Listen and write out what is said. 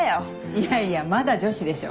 いやいやまだ女子でしょ。